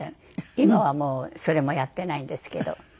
今はもうそれもやってないんですけど。